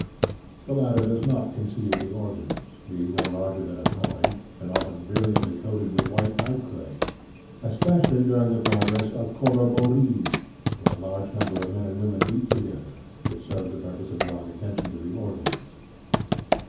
The latter does not conceal the organs, being no larger than a coin, and often brilliantly coated with white pipeclay, especially during the progress of corrobborees, when a large number of men and women meet together; it serves the purpose of drawing attention to the organs.